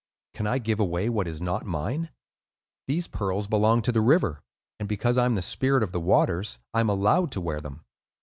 "Can I give away what is not mine? These pearls belong to the river; and because I am the Spirit of the Waters, I am allowed to wear them.